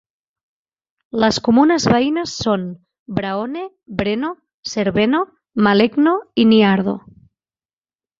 Les comunes veïnes són Braone, Breno, Cerveno, Malegno i Niardo.